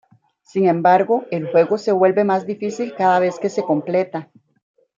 Sin embargo, el juego se vuelve más difícil cada vez que se completa.